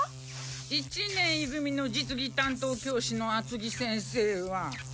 一年い組の実技担当教師の厚着先生は。